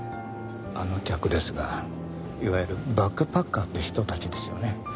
あの客ですがいわゆるバックパッカーって人たちですよね。